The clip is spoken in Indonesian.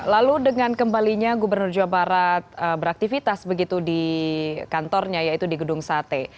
lalu dengan kembalinya gubernur jawa barat beraktivitas begitu di kantornya yaitu di gedung sate